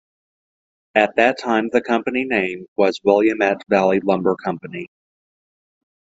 At that time the company name was Willamette Valley Lumber Company.